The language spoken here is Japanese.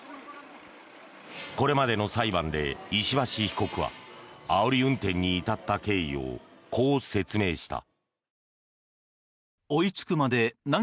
これまでの裁判で石橋被告はあおり運転に至った経緯をこう説明した。